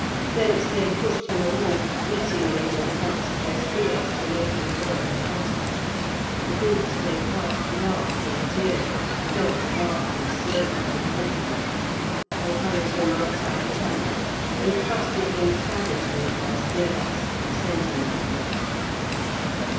Thence they pushed him along, beating him with the butts of their spears to make him run the faster; the groups they passed laughed and jeered; the dogs barked and snapped at his ankles. They hurried him outside the camp, and thrusting him savagely with their spear butts sent him headlong.